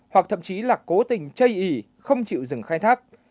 hoặc thậm chí là cố tình chây ý không chịu dừng khai thác